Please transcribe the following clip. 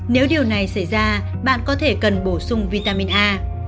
nếu điều này xảy ra bạn có thể cần bổ sung vitamin a